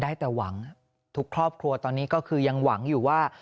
ได้แต่หวังทุกครอบครัวตอนนี้ก็คือยังหวังอยู่ว่า